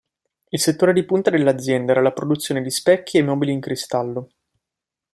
Il settore di punta dell'azienda era la produzione di specchi e mobili in cristallo.